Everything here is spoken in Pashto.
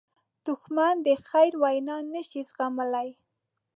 دښمن د خیر وینا نه شي زغملی